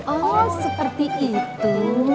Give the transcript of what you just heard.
oh seperti itu